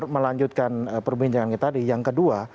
melanjutkan perbincangannya tadi yang kedua